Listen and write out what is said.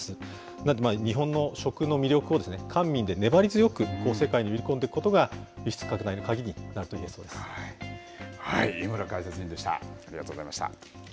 なので日本の食の魅力を官民で粘り強く世界に売り込んでいくことが、輸出拡大の鍵になると言えそ井村解説委員でした。